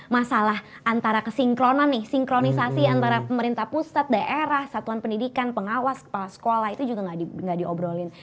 masalah antara kesinkronan nih sinkronisasi antara pemerintah pusat daerah satuan pendidikan pengawas kepala sekolah itu juga nggak diobrolin